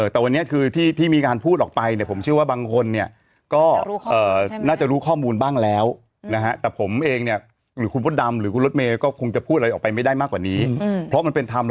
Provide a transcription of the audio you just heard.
ที่ผมได้มีการพูดเขายังไม่ได้ประกาศว่าเป็นใคร